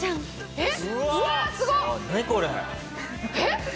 えっ？